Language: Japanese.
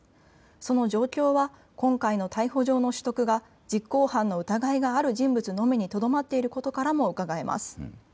その状況は今回の逮捕状の取得が実行犯の疑いのある人物のみにとどまっていることからもうかがえます。